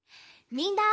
みんな。